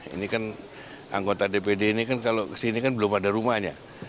ini kan anggota dpd ini kan kalau kesini kan belum ada rumahnya